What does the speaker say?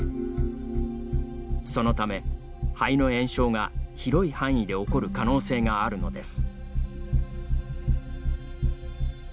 そのため、肺の炎症が広い範囲で起こる可能性があるのです。